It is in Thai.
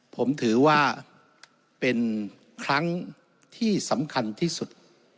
ผมถือว่าเป็นครั้งที่สำคัญที่สุด